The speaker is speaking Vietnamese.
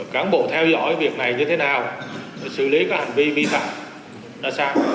cán bộ theo dõi việc này như thế nào xử lý các hành vi vi phạm đa sản